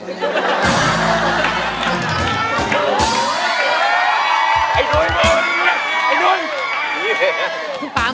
เมื่อสักครู่นี้ถูกต้องทั้งหมด